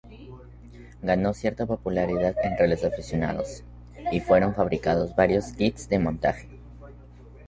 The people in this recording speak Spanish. Ganó cierta popularidad entre los aficionados, y fueron fabricados varios kits de montaje.